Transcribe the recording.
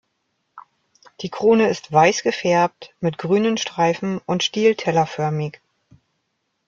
Die Krone ist weiß gefärbt mit grünen Streifen und stieltellerförmig.